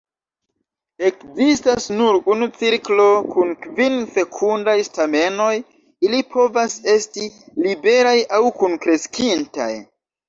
Ekzistas nur unu cirklo kun kvin fekundaj stamenoj; ili povas esti liberaj aŭ kunkreskintaj.